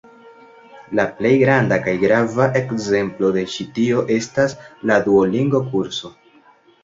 La plej granda kaj grava ekzemplo de ĉi tio estas la Duolingo-kurso.